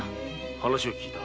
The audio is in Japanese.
話は聞いた。